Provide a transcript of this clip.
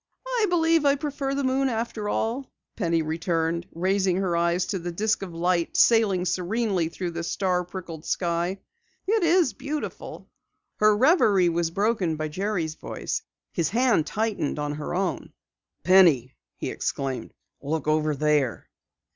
"I believe I prefer the moon after all," Penny returned, raising her eyes to the disc of light sailing serenely through the star pricked sky. "It is beautiful." Her reverie was broken by Jerry's voice. His hand tightened on her own. "Penny!" he exclaimed. "Look over there!"